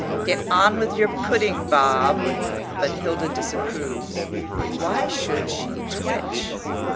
"Get on with your pudding, Bob;" but Hilda disapproves. "Why should she twitch?"